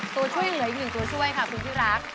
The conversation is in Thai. ตัวช่วยเหลืออีกหนึ่งตัวช่วยค่ะคุณที่รัก